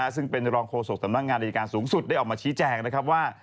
ซึ่งเป็นรองโฆษกสำนักงานอายการสูงสุดได้ออกมาชี้แจงนะครับว่า